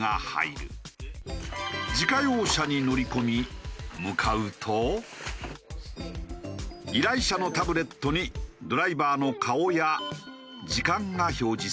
自家用車に乗り込み向かうと依頼者のタブレットにドライバーの顔や時間が表示される。